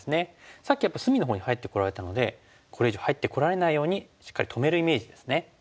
さっきやっぱり隅のほうに入ってこられたのでこれ以上入ってこられないようにしっかり止めるイメージですね。